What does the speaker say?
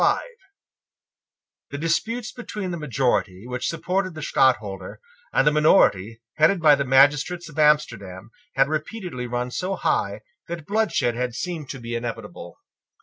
The disputes between the majority which supported the Stadtholder and the minority headed by the magistrates of Amsterdam had repeatedly run so high that bloodshed had seemed to be inevitable.